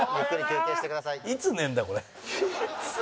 「いつ寝るんだよこれ」